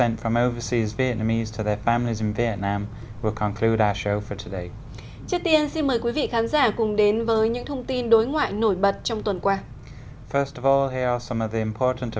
trước tiên xin mời quý vị khán giả cùng đến với những thông tin đối ngoại nổi bật trong tuần qua